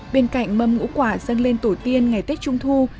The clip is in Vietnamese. bên cạnh mâm ngũ quả dân lên tổ tiên ngày tết trung thu